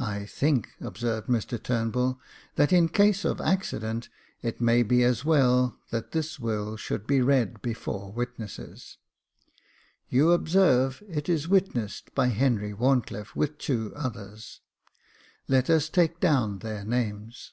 "I think," observed Mr Turnbull, "that in case of accident, it may be as well that this will should be read before witnesses. You observe, it is witnessed by Henry WharnclifFe, with two others. Let us take down their names."